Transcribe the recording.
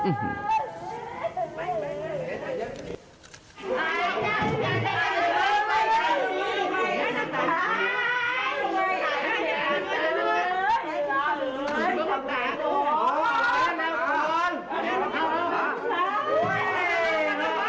เอ๊ะเอ๊ะ